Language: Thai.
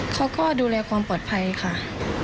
เขาก็ดูแลความปลอดภัยค่ะ